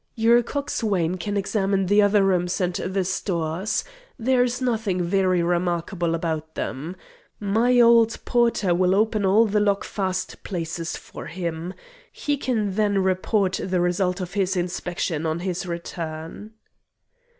"Your coxswain can examine the other rooms and the stores. There is nothing very remarkable about them. My old porter will open all the lockfast places for him. He can then report the result of his inspection on his return."